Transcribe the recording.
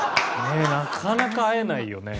なかなか会えないよね。